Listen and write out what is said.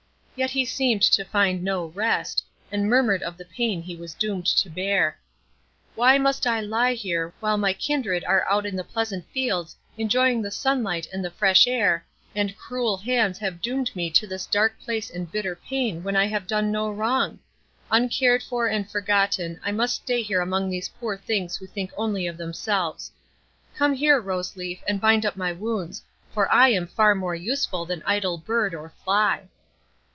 Yet he seemed to find no rest, and murmured of the pain he was doomed to bear. "Why must I lie here, while my kindred are out in the pleasant fields, enjoying the sunlight and the fresh air, and cruel hands have doomed me to this dark place and bitter pain when I have done no wrong? Uncared for and forgotten, I must stay here among these poor things who think only of themselves. Come here, Rose Leaf, and bind up my wounds, for I am far more useful than idle bird or fly."